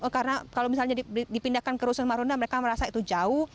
karena kalau misalnya dipindahkan ke rusun marunda mereka merasa itu jauh